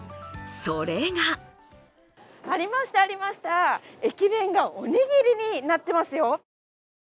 それがありました、ありました、駅弁がおにぎりになってますよ。